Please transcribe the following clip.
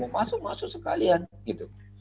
masuk masuk sekalian gitu